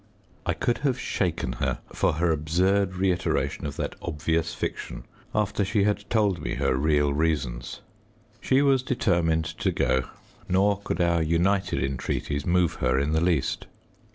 I could have shaken her for her absurd reiteration of that obvious fiction, after she had told me her real reasons. She was determined to go, nor could our united entreaties move her in the least.